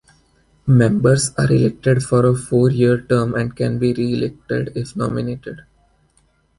Members are elected for a four-year term and can be re-elected if nominated.